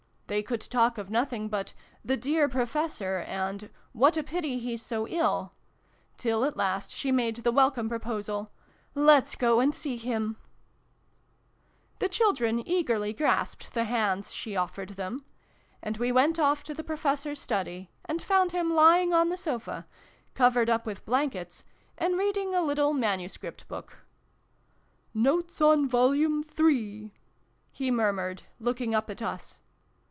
They could talk of nothing but " the dear Professor," and " what a pity he's so ill !", till at last she made the welcome proposal " Let's go and see him !" The children eagerly grasped the hands she offered them : and we went off to the Profes sor's study, and found him lying on the sofa, covered up with blankets, and reading a little manuscript book. " Notes on Vol. Three !" he murmured, looking up at us.